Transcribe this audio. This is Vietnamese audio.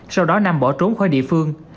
sau đó nam bỏ trốn khỏi địa phương